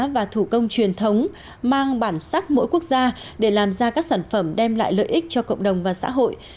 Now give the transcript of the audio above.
và thủ công truyền thống mang bản sắc mỗi quốc gia để làm ra các sản phẩm đem lại lợi ích cho cộng đồng và xã hội